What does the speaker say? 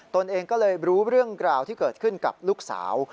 ตนเองก็เลยรู้เรื่องกล่าวที่เกิดขึ้นกับลูกสาว